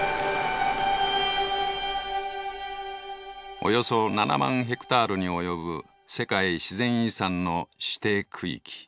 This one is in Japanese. およそ７万ヘクタールに及ぶ世界自然遺産の指定区域。